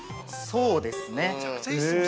◆そうですね。